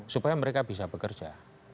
supaya mereka bisa bekerja